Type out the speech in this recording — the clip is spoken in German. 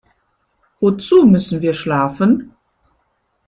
Wozu müssen wir schlafen?